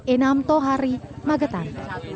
inam tohari magetan